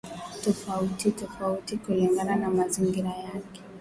tofauti tofauti kulingana na mazingira yake